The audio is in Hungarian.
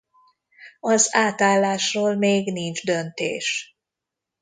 Az átállásról még nincs döntés.